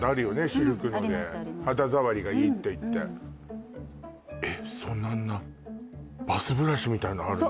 シルクので肌触りがいいって言ってうんうんえっそんなあんなバスブラシみたいのあるの？